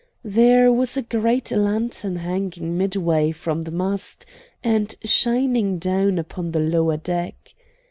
There was a great lantern hanging midway from the mast, and shining down upon the lower deck.